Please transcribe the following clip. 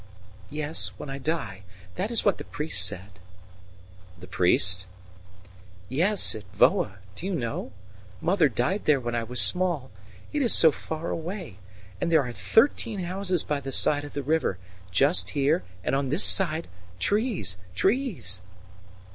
"Yes, when I die. That is what the priest said." "The priest?" "Yes, at Voa do you know? Mother died there when I was small it is so far away! And there are thirteen houses by the side of the river just here; and on this side trees, trees."